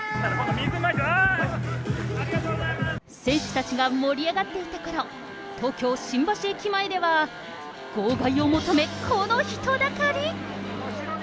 水まいて、選手たちが盛り上がっていたころ、東京・新橋駅前では号外を求め、この人だかり。